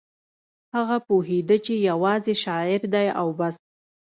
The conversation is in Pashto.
هغه پوهېده چې یوازې شاعر دی او بس